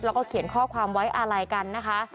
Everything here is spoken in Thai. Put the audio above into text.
แล้วก็เขียนข้อความไว้อาลัยกันนะคะ